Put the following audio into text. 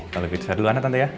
kalo lebih besar dulu anak tante ya